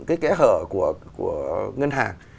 cái kẽ hở của ngân hàng